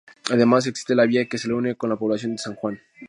Además existe la vía que la une con la población de San Juan.